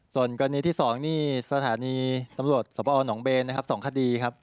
ส่วนกรณีที่๒นี่สถานีตำรวจสภหนองเบนนะครับ๒คดีครับ